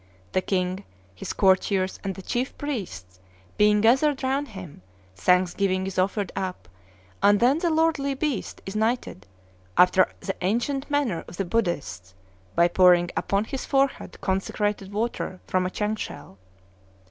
The king, his courtiers, and the chief priests being gathered round him, thanksgiving is offered up; and then the lordly beast is knighted, after the ancient manner of the Buddhists, by pouring upon his forehead consecrated water from a chank shell.